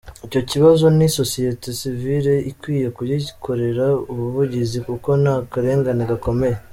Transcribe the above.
Icyo kibazo ni sosiyete sivile ikwiye kugikorera ubuvugizi kuko ni akarengane gakomeye.